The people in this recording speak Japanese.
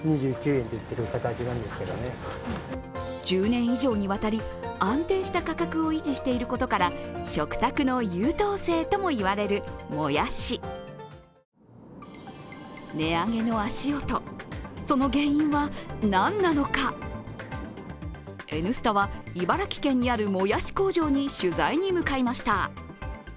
１０年以上にわたり、安定した価格を維持していることから食卓の優等生ともいわれる、もやし値上げの足音、その原因は何なのか「Ｎスタ」は茨城県にあるもやし工場に取材に向かいました。